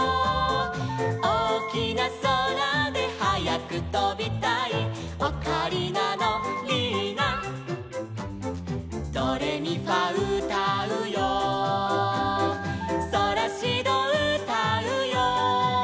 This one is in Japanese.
「おおきなそらではやくとびたい」「オカリナのリーナ」「ドレミファうたうよ」「ソラシドうたうよ」